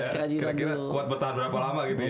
kira kira kuat bertahan berapa lama gitu ya